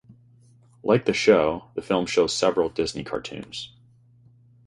Like the show, the film shows several Disney cartoons.